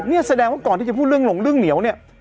นี่แสดงว่าก่อนที่จะพูดเรื่องหลงเรื่องเหนียวเนี่ย